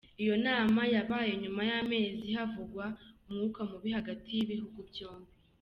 Iyo nama yabaye nyuma y’amezi havugwa umwuka mubi hagati y’ibihugu byombi.